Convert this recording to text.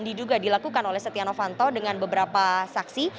diduga dilakukan oleh setia novanto dengan beberapa saksi